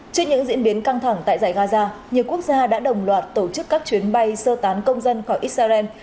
trước những diễn biến căng thẳng tại giải gaza nhiều quốc gia đã đồng loạt tổ chức các chuyến bay sơ tán công dân khỏi israel